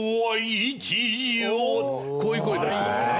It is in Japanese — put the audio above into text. こういう声出してましたね。